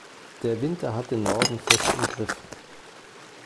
Der Winter hat den Norden fest im Griff.